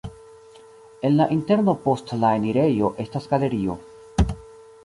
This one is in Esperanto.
En la interno post la enirejo estas galerio.